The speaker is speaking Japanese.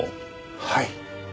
はい。